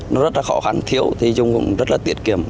nó rất là khó khăn thiếu thì dùng cũng rất là tiết kiệm